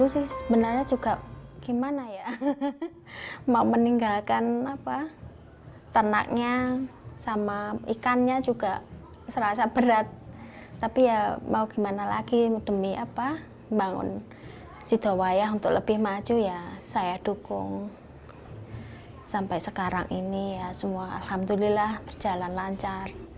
siti rahmani istrinya